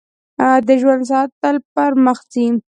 • د ژوند ساعت تل پر مخ ځي.